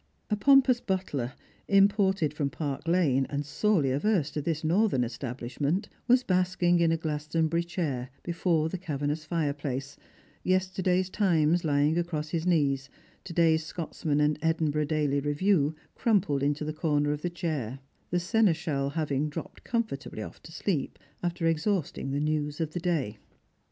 A pompous butler, imported from Park lane, and sorely averse to this Northern establishment, was basking in a Glastonbury chair before the cavernous fireplace, yesterday's Times lying across his knees, to day's Scotsman and Edinburgh Daily Review crumpled into the corner of the chair; the seneschal having dropped comfortably off to sleep after exhausting the news of the day.